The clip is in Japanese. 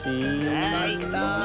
よかった。